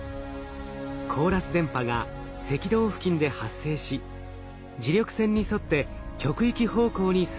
コーラス電波が赤道付近で発生し磁力線に沿って極域方向に進みます。